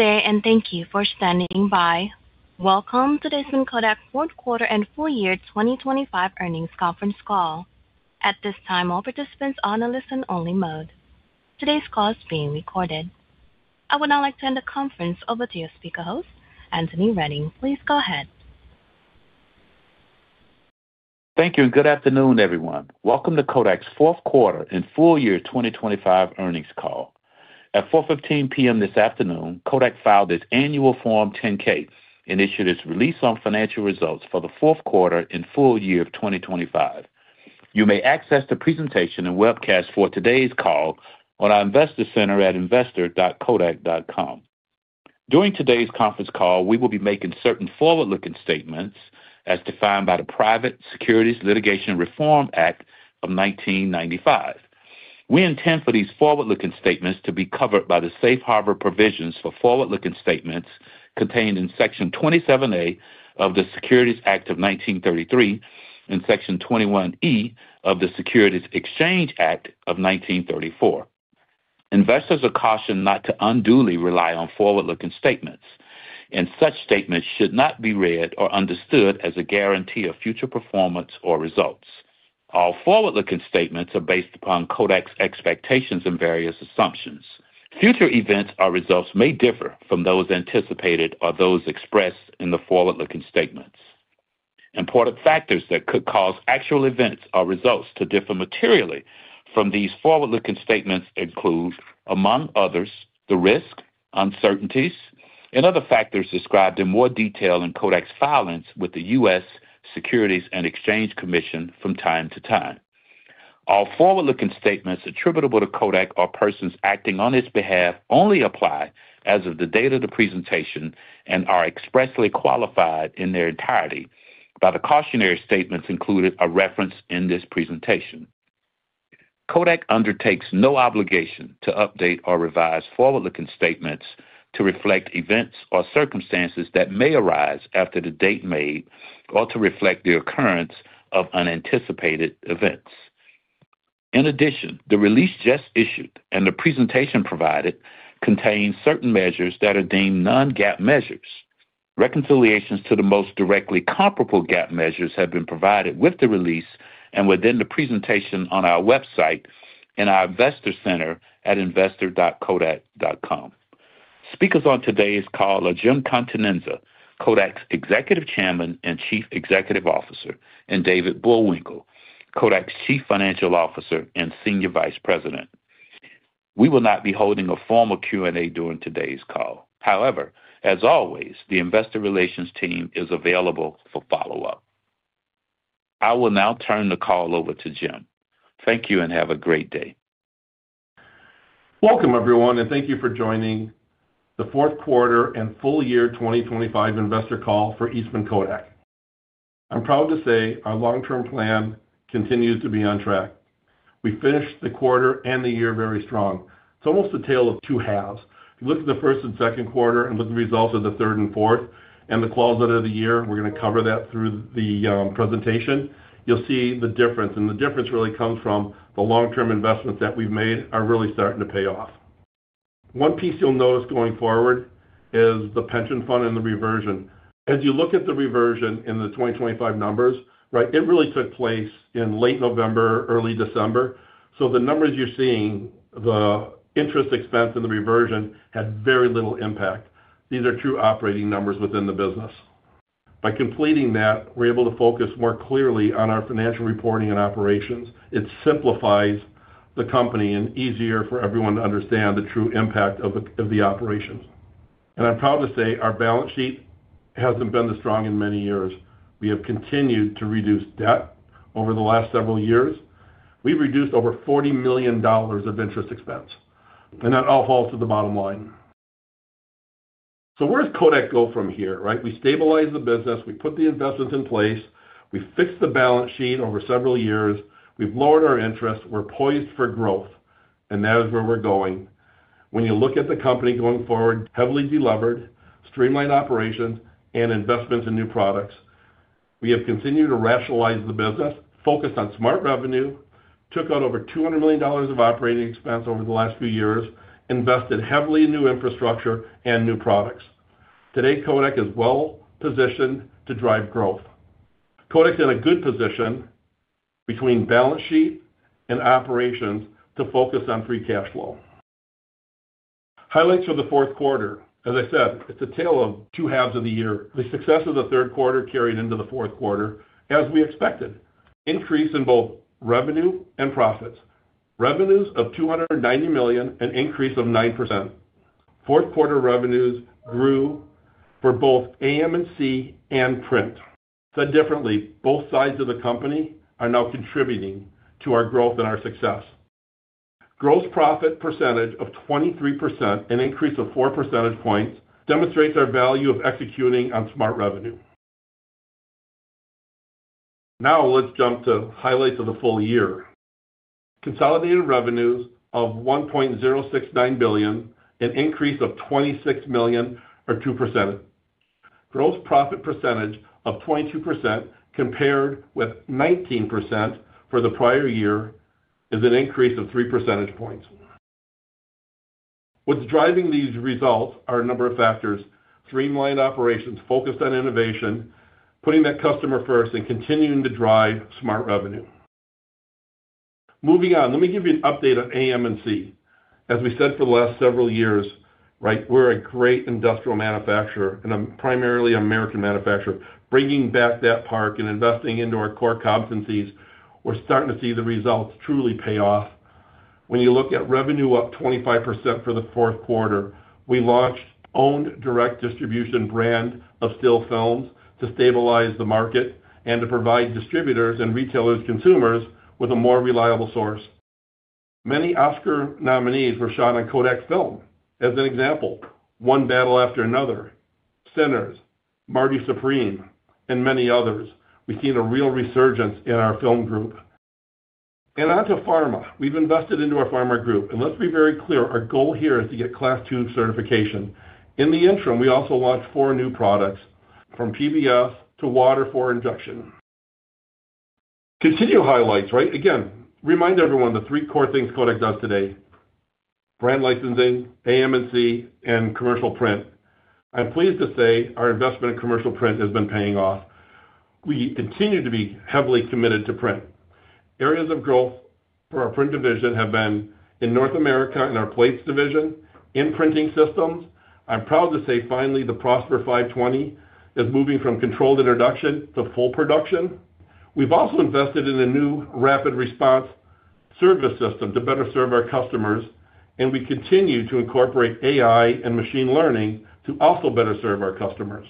day and thank you for standing by. Welcome to the Eastman Kodak fourth quarter and full year 2025 earnings conference call. At this time, all participants are in listen-only mode. Today's call is being recorded. I would now like to hand the conference over to your speaker host, Anthony Redding. Please go ahead. Thank you and good afternoon, everyone. Welcome to Kodak's fourth quarter and full year 2025 earnings call. At 4:15 P.M. this afternoon, Kodak filed its annual Form 10-K and issued its release on financial results for the fourth quarter and full year of 2025. You may access the presentation and webcast for today's call on our investor center at investor.kodak.com. During today's conference call, we will be making certain forward-looking statements as defined by the Private Securities Litigation Reform Act of 1995. We intend for these forward-looking statements to be covered by the safe harbor provisions for forward-looking statements contained in Section 27A of the Securities Act of 1933 and Section 21E of the Securities Exchange Act of 1934. Investors are cautioned not to unduly rely on forward-looking statements, and such statements should not be read or understood as a guarantee of future performance or results. Our forward-looking statements are based upon Kodak's expectations and various assumptions. Future events or results may differ from those anticipated or those expressed in the forward-looking statements. Important factors that could cause actual events or results to differ materially from these forward-looking statements include, among others, the risks, uncertainties, and other factors described in more detail in Kodak's filings with the U.S. Securities and Exchange Commission from time to time. All forward-looking statements attributable to Kodak or persons acting on its behalf only apply as of the date of the presentation and are expressly qualified in their entirety by the cautionary statements included or referenced in this presentation. Kodak undertakes no obligation to update or revise forward-looking statements to reflect events or circumstances that may arise after the date made or to reflect the occurrence of unanticipated events. In addition, the release just issued and the presentation provided contain certain measures that are deemed Non-GAAP measures. Reconciliations to the most directly comparable GAAP measures have been provided with the release and within the presentation on our website in our investor center at investor.kodak.com. Speakers on today's call are Jim Continenza, Kodak's Executive Chairman and Chief Executive Officer, and David Bullwinkle, Kodak's Chief Financial Officer and Senior Vice President. We will not be holding a formal Q&A during today's call. However, as always, the investor relations team is available for follow-up. I will now turn the call over to Jim. Thank you and have a great day. Welcome everyone, and thank you for joining the fourth quarter and full year 2025 investor call for Eastman Kodak. I'm proud to say our long-term plan continues to be on track. We finished the quarter and the year very strong. It's almost a tale of two halves. You look at the first and second quarter and look at the results of the third and fourth and the close out of the year. We're gonna cover that through the presentation. You'll see the difference, and the difference really comes from the long-term investments that we've made are really starting to pay off. One piece you'll notice going forward is the pension fund and the reversion. As you look at the reversion in the 2025 numbers, right it really took place in late November, early December. The numbers you're seeing, the interest expense and the reversion had very little impact. These are true operating numbers within the business. By completing that, we're able to focus more clearly on our financial reporting and operations. It simplifies the company and easier for everyone to understand the true impact of the operations. I'm proud to say our balance sheet hasn't been this strong in many years. We have continued to reduce debt over the last several years. We've reduced over $40 million of interest expense, and that all falls to the bottom line. Where does Kodak go from here? Right, we stabilize the business. We put the investments in place. We fixed the balance sheet over several years. We've lowered our interest. We're poised for growth, and that is where we're going. When you look at the company going forward, heavily de-levered, streamlined operations and investments in new products. We have continued to rationalize the business, focused on smart revenue, took out over $200 million of operating expense over the last few years, invested heavily in new infrastructure and new products. Today, Kodak is well positioned to drive growth. Kodak's in a good position between balance sheet and operations to focus on free cash flow. Highlights for the fourth quarter. As I said, it's a tale of two halves of the year. The success of the third quarter carried into the fourth quarter as we expected. Increase in both revenue and profits. Revenues of $290 million, an increase of 9%. Fourth quarter revenues grew for both AM&C and print. Said differently, both sides of the company are now contributing to our growth and our success. Gross profit percentage of 23%, an increase of four percentage points, demonstrates our value of executing on smart revenue. Now let's jump to highlights of the full year. Consolidated revenues of $1.069 billion, an increase of $26 million or 2%. Gross profit percentage of 22% compared with 19% for the prior year is an increase of three percentage points. What's driving these results are a number of factors. Streamlined operations focused on innovation, putting that customer first, and continuing to drive smart revenue. Moving on, let me give you an update on AM&C. As we said for the last several years, right, we're a great industrial manufacturer and a primarily American manufacturer. Bringing back that part and investing into our core competencies, we're starting to see the results truly pay off. When you look at revenue up 25% for the fourth quarter, we launched our own direct distribution brand of still films to stabilize the market and to provide distributors and retailers, consumers with a more reliable source. Many Oscar nominees were shot on Kodak film. As an example, One Battle After Another, Sinners, Marty Supreme and many others. We've seen a real resurgence in our film group. On to pharma. We've invested into our pharma group, and let's be very clear, our goal here is to get Class II certification. In the interim, we also launched four new products from PBS to Water for Injection. Continued highlights, right? Again, remind everyone the three core things Kodak does today: brand licensing, AM&C, and commercial print. I'm pleased to say our investment in commercial print has been paying off. We continue to be heavily committed to print. Areas of growth for our print division have been in North America in our plates division. In printing systems, I'm proud to say finally the PROSPER 520 is moving from controlled introduction to full production. We've also invested in a new rapid response service system to better serve our customers, and we continue to incorporate AI and machine learning to also better serve our customers.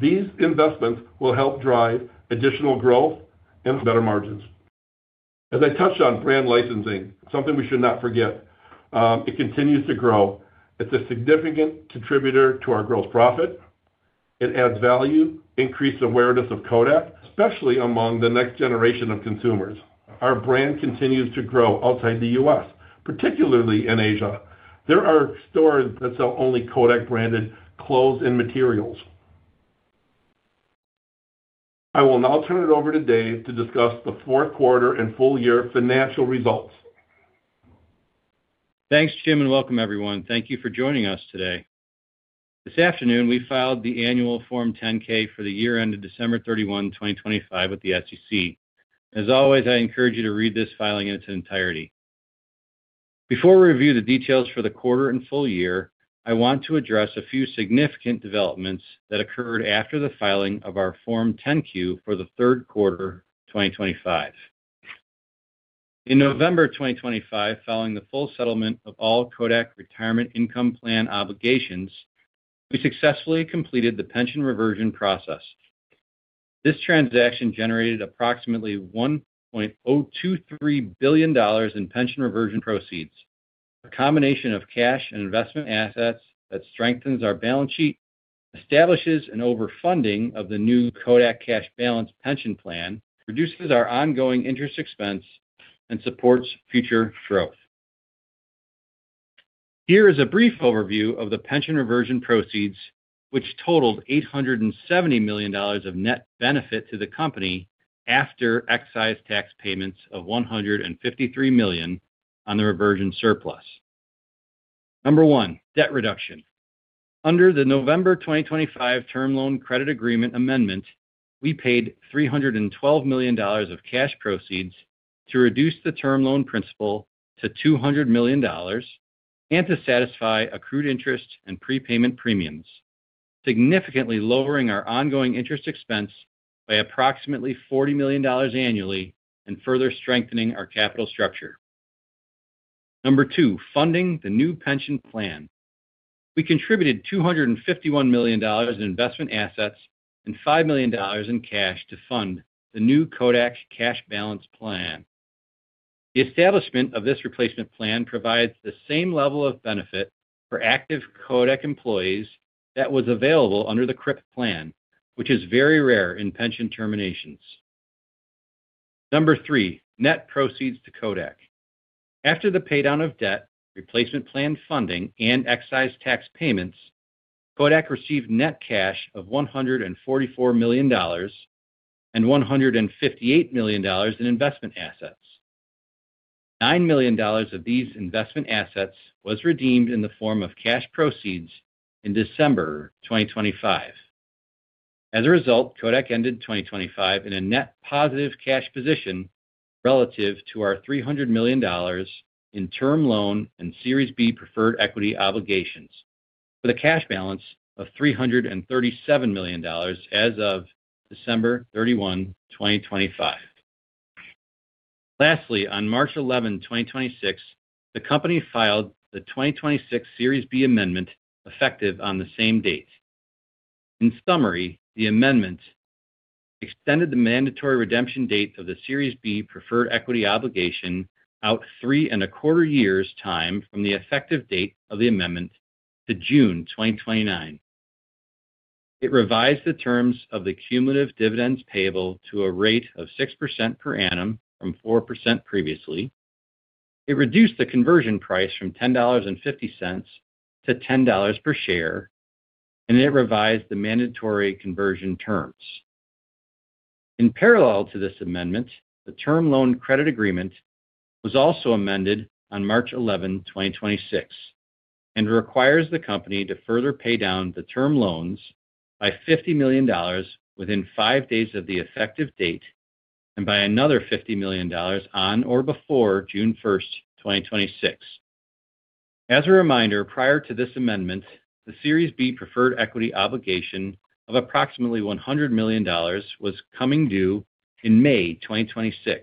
These investments will help drive additional growth and better margins. As I touched on brand licensing, something we should not forget, it continues to grow. It's a significant contributor to our growth profit. It adds value, increased awareness of Kodak, especially among the next generation of consumers. Our brand continues to grow outside the U.S., particularly in Asia. There are stores that sell only Kodak-branded clothes and materials. I will now turn it over to David to discuss the fourth quarter and full year financial results. Thanks, Jim, and welcome everyone. Thank you for joining us today. This afternoon, we filed the annual Form 10-K for the year ended December 31, 2025 with the SEC. As always, I encourage you to read this filing in its entirety. Before we review the details for the quarter and full year, I want to address a few significant developments that occurred after the filing of our Form 10-Q for the third quarter of 2025. In November of 2025, following the full settlement of all Kodak Retirement Income Plan obligations, we successfully completed the pension reversion process. This transaction generated approximately $1.023 billion in pension reversion proceeds. A combination of cash and investment assets that strengthens our balance sheet, establishes an over-funding of the new Kodak Cash Balance Plan, reduces our ongoing interest expense, and supports future growth. Here is a brief overview of the pension reversion proceeds, which totaled $870 million of net benefit to the company after excise tax payments of $153 million on the reversion surplus. Number one, debt reduction. Under the November 2025 term loan credit agreement amendment, we paid $312 million of cash proceeds to reduce the term loan principal to $200 million and to satisfy accrued interest and prepayment premiums, significantly lowering our ongoing interest expense by approximately $40 million annually and further strengthening our capital structure. Number two, funding the new pension plan. We contributed $251 million in investment assets and $5 million in cash to fund the new Kodak Cash Balance Plan. The establishment of this replacement plan provides the same level of benefit for active Kodak employees that was available under the KRIP plan, which is very rare in pension terminations. Number three, net proceeds to Kodak. After the paydown of debt, replacement plan funding, and excise tax payments, Kodak received net cash of $144 million and $158 million in investment assets. $9 million of these investment assets was redeemed in the form of cash proceeds in December 2025. As a result, Kodak ended 2025 in a net positive cash position relative to our $300 million in term loan and Series B preferred equity obligations with a cash balance of $337 million as of December 31, 2025. Lastly, on March 11, 2026, the company filed the 2026 Series B amendment, effective on the same date. In summary, the amendment extended the mandatory redemption date of the Series B preferred equity obligation out three and a quarter years' time from the effective date of the amendment to June 2029. It revised the terms of the cumulative dividends payable to a rate of 6% per annum from 4% previously. It reduced the conversion price from $10.50 to $10 per share, and it revised the mandatory conversion terms. In parallel to this amendment, the term loan credit agreement was also amended on March 11, 2026, and requires the company to further pay down the term loans by $50 million within five days of the effective date and by another $50 million on or before June 1, 2026. As a reminder, prior to this amendment, the Series B preferred equity obligation of approximately $100 million was coming due in May 2026.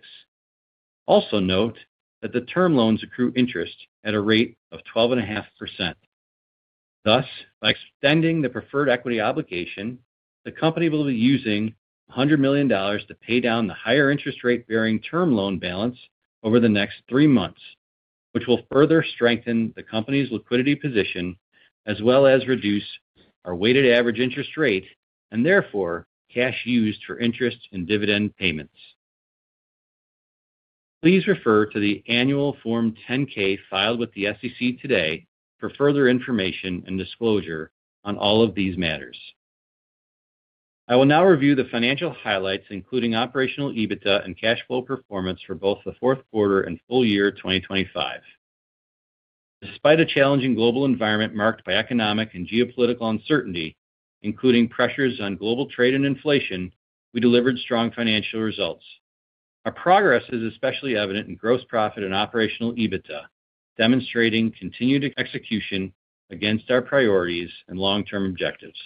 Also note that the term loans accrue interest at a rate of 12.5%. Thus, by extending the preferred equity obligation, the company will be using $100 million to pay down the higher interest rate-bearing term loan balance over the next three months, which will further strengthen the company's liquidity position as well as reduce our weighted average interest rate and therefore cash used for interest and dividend payments. Please refer to the annual Form 10-K filed with the SEC today for further information and disclosure on all of these matters. I will now review the financial highlights, including operational EBITDA and cash flow performance for both the fourth quarter and full year 2025. Despite a challenging global environment marked by economic and geopolitical uncertainty, including pressures on global trade and inflation, we delivered strong financial results. Our progress is especially evident in gross profit and operational EBITDA, demonstrating continued execution against our priorities and long-term objectives.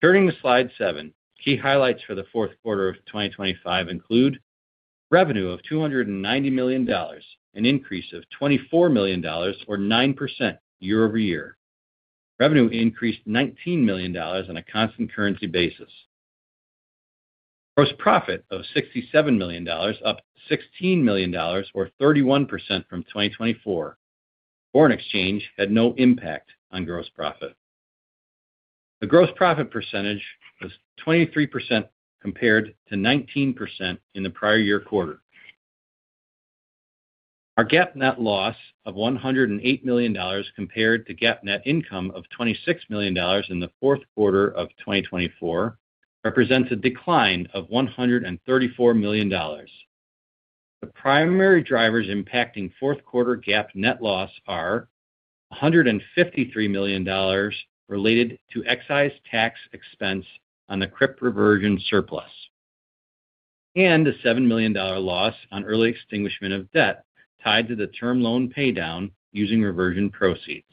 Turning to slide seven, key highlights for the fourth quarter of 2025 include revenue of $290 million, an increase of $24 million or 9% year over year. Revenue increased $19 million on a constant currency basis. Gross profit of $67 million, up $16 million or 31% from 2024. Foreign exchange had no impact on gross profit. The gross profit percentage was 23% compared to 19% in the prior year quarter. Our GAAP net loss of $108 million compared to GAAP net income of $26 million in the fourth quarter of 2024 represents a decline of $134 million. The primary drivers impacting fourth quarter GAAP net loss are $153 million related to excise tax expense on the KRIP reversion surplus, and a $7 million loss on early extinguishment of debt tied to the term loan paydown using reversion proceeds.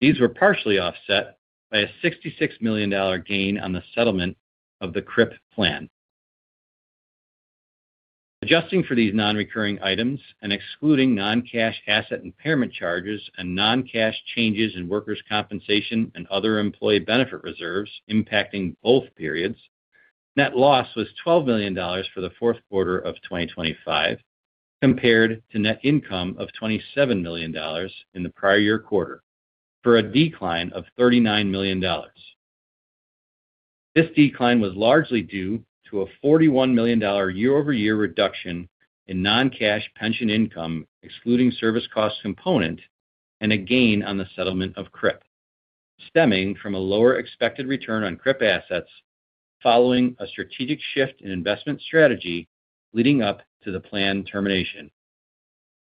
These were partially offset by a $66 million gain on the settlement of the KRIP plan. Adjusting for these non-recurring items and excluding non-cash asset impairment charges and non-cash changes in workers' compensation and other employee benefit reserves impacting both periods, net loss was $12 million for the fourth quarter of 2025, compared to net income of $27 million in the prior year quarter, for a decline of $39 million. This decline was largely due to a $41 million year-over-year reduction in non-cash pension income, excluding service cost component, and a gain on the settlement of KRIP, stemming from a lower expected return on KRIP assets following a strategic shift in investment strategy leading up to the plan termination.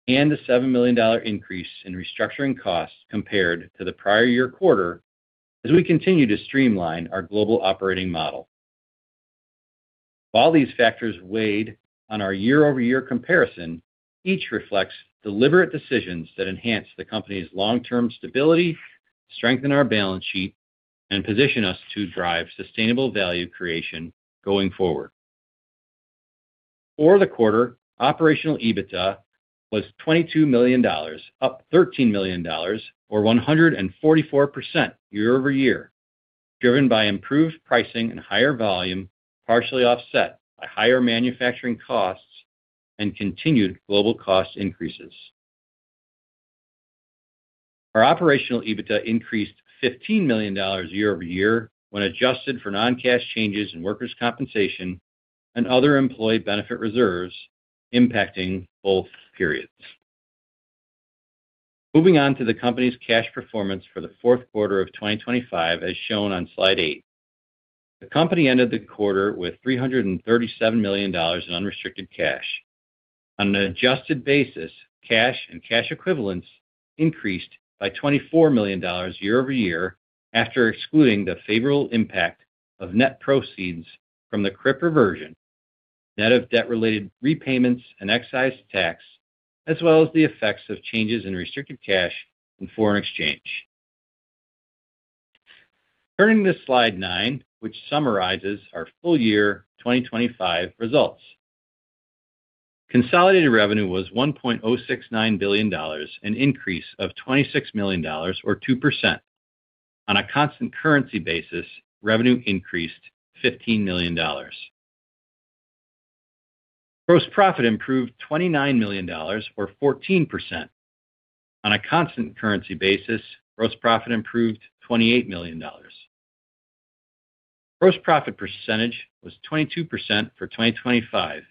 A $7 million increase in restructuring costs compared to the prior year quarter as we continue to streamline our global operating model. While these factors weighed on our year-over-year comparison, each reflects deliberate decisions that enhance the company's long-term stability, strengthen our balance sheet, and position us to drive sustainable value creation going forward. For the quarter, operational EBITDA was $22 million, up $13 million or 144% year over year, driven by improved pricing and higher volume, partially offset by higher manufacturing costs and continued global cost increases. Our operational EBITDA increased $15 million year over year when adjusted for non-cash changes in workers' compensation and other employee benefit reserves impacting both periods. Moving on to the company's cash performance for the fourth quarter of 2025, as shown on slide eight. The company ended the quarter with $337 million in unrestricted cash. On an adjusted basis, cash and cash equivalents increased by $24 million year-over-year after excluding the favorable impact of net proceeds from the KRIP reversion, net of debt-related repayments and excise tax, as well as the effects of changes in restricted cash and foreign exchange. Turning to slide nine, which summarizes our full year 2025 results. Consolidated revenue was $1.069 billion, an increase of $26 million or 2%. On a constant currency basis, revenue increased $15 million. Gross profit improved $29 million or 14%. On a constant currency basis, gross profit improved $28 million. Gross profit percentage was 22% for 2025,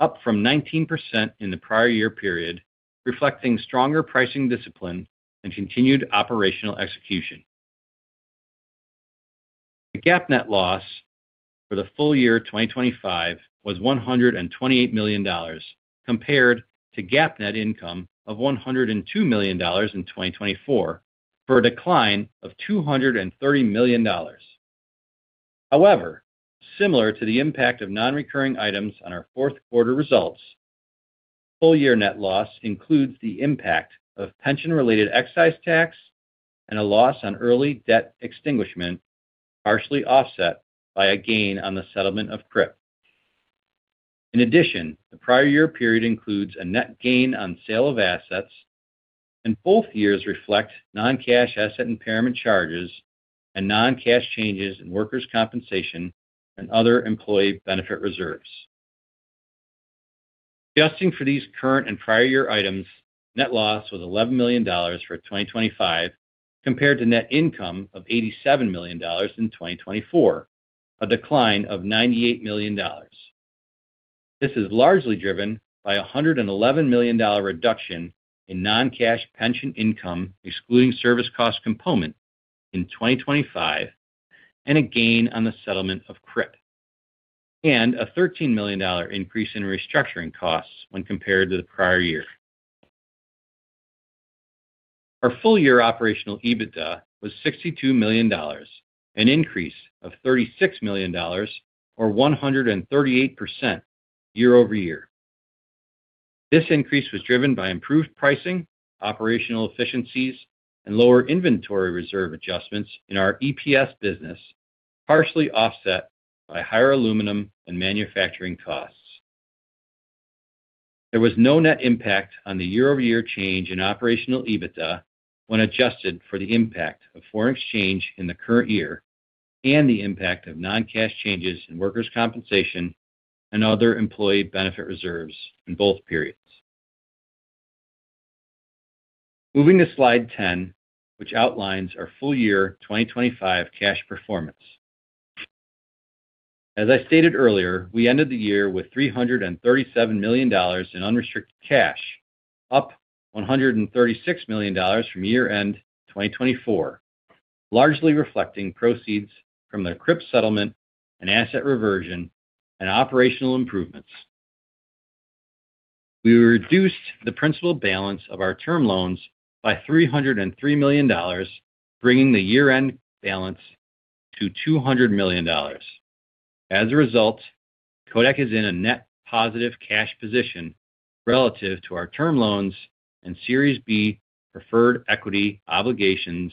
up from 19% in the prior year period, reflecting stronger pricing discipline and continued operational execution. The GAAP net loss for the full year, 2025 was $128 million, compared to GAAP net income of $102 million in 2024, for a decline of $230 million. However, similar to the impact of non-recurring items on our fourth quarter results, full year net loss includes the impact of pension-related excise tax and a loss on early debt extinguishment, partially offset by a gain on the settlement of KRIP. In addition, the prior year period includes a net gain on sale of assets, and both years reflect non-cash asset impairment charges and non-cash changes in workers' compensation and other employee benefit reserves. Adjusting for these current and prior year items, net loss was $11 million for 2025 compared to net income of $87 million in 2024, a decline of $98 million. This is largely driven by a $111 million reduction in non-cash pension income, excluding service cost component in 2025 and a gain on the settlement of KRIP. A $13 million increase in restructuring costs when compared to the prior year. Our full year operational EBITDA was $62 million, an increase of $36 million or 138% year-over-year. This increase was driven by improved pricing, operational efficiencies and lower inventory reserve adjustments in our EPS business, partially offset by higher aluminum and manufacturing costs. There was no net impact on the year-over-year change in operational EBITDA when adjusted for the impact of foreign exchange in the current year and the impact of non-cash changes in workers' compensation and other employee benefit reserves in both periods. Moving to slide 10, which outlines our full year 2025 cash performance. As I stated earlier, we ended the year with $337 million in unrestricted cash, up $136 million from year-end 2024, largely reflecting proceeds from the KRIP settlement and asset reversion and operational improvements. We reduced the principal balance of our term loans by $303 million, bringing the year-end balance to $200 million. As a result, Kodak is in a net positive cash position relative to our term loans and Series B preferred equity obligations,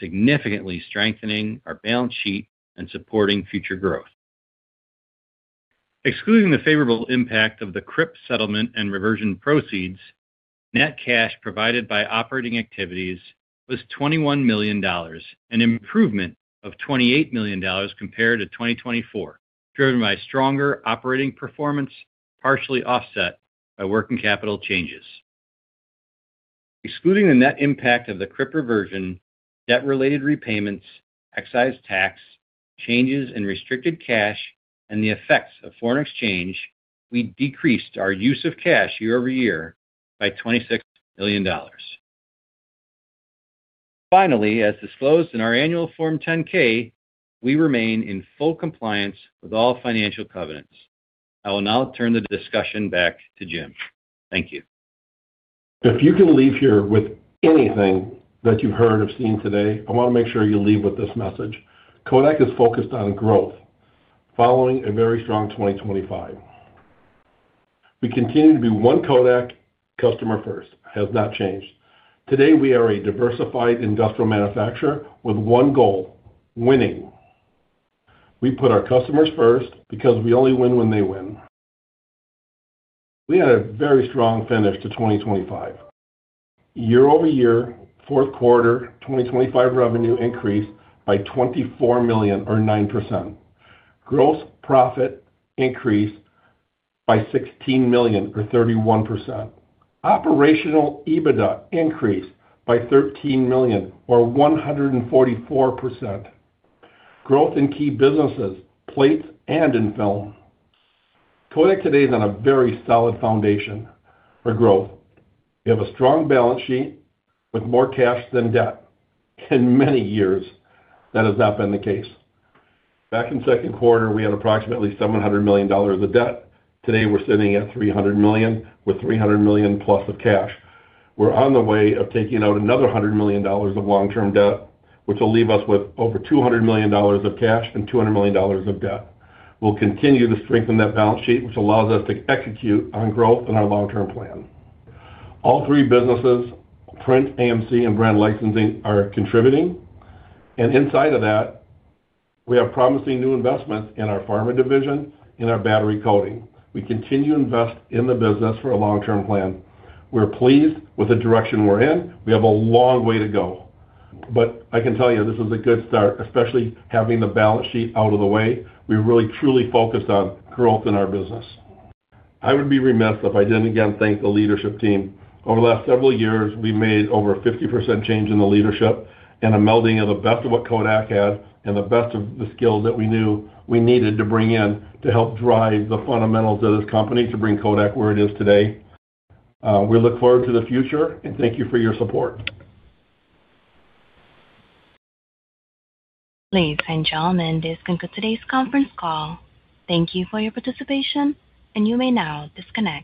significantly strengthening our balance sheet and supporting future growth. Excluding the favorable impact of the KRIP settlement and reversion proceeds, net cash provided by operating activities was $21 million, an improvement of $28 million compared to 2024, driven by stronger operating performance, partially offset by working capital changes. Excluding the net impact of the KRIP reversion, debt-related repayments, excise tax, changes in restricted cash and the effects of foreign exchange, we decreased our use of cash year-over-year by $26 million. Finally, as disclosed in our annual Form 10-K, we remain in full compliance with all financial covenants. I will now turn the discussion back to Jim. Thank you. If you can leave here with anything that you've heard or seen today, I wanna make sure you leave with this message. Kodak is focused on growth following a very strong 2025. We continue to be one Kodak, customer first, has not changed. Today, we are a diversified industrial manufacturer with one goal, winning. We put our customers first because we only win when they win. We had a very strong finish to 2025. Year-over-year, fourth quarter 2025 revenue increased by $24 million or 9%. Gross profit increased by $16 million or 31%. Operational EBITDA increased by $13 million or 144%. Growth in key businesses, plates, and in film. Kodak today is on a very solid foundation for growth. We have a strong balance sheet with more cash than debt. In many years, that has not been the case. Back in second quarter, we had approximately $700 million of debt. Today, we're sitting at $300 million with $300 million-plus of cash. We're on the way of taking out another $100 million of long-term debt, which will leave us with over $200 million of cash and $200 million of debt. We'll continue to strengthen that balance sheet, which allows us to execute on growth in our long-term plan. All three businesses, print, AM&C, and brand licensing, are contributing. Inside of that, we have promising new investments in our pharma division, in our battery coating. We continue to invest in the business for a long-term plan. We're pleased with the direction we're in. We have a long way to go. I can tell you this is a good start, especially having the balance sheet out of the way. We really, truly focus on growth in our business. I would be remiss if I didn't again thank the leadership team. Over the last several years, we made over a 50% change in the leadership and a melding of the best of what Kodak had and the best of the skills that we knew we needed to bring in to help drive the fundamentals of this company to bring Kodak where it is today. We look forward to the future and thank you for your support. Ladies and gentlemen, this concludes today's conference call. Thank you for your participation, and you may now disconnect.